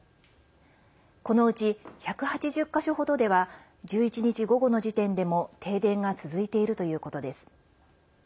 このうち、１８０か所程では１１日午後の時点でも停電が続いているということです。